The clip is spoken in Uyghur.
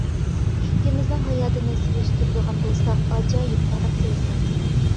ئىككىمىزنىڭ ھاياتىنى سېلىشتۇرىدىغان بولساق، ئاجايىپ پەرق كۆرىسەن.